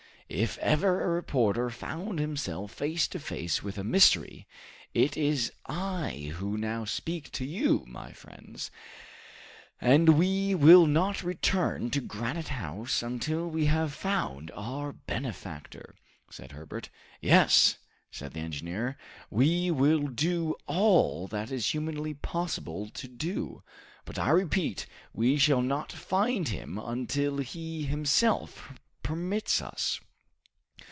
if ever a reporter found himself face to face with a mystery, it is I who now speak to you, my friends!" "And we will not return to Granite House until we have found our benefactor," said Herbert. "Yes," said the engineer, "we will do all that it is humanly possible to do, but I repeat we shall not find him until he himself permits us."